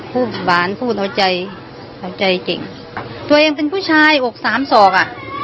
พูดหวานพูดเอาใจเอาใจเก่งตัวเองเป็นผู้ชายอกสามศอกอ่ะ